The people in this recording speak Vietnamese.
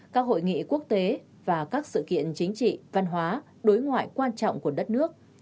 các hội nghị quốc tế và các sự kiện chính trị văn hóa đối ngoại quan trọng của đất nước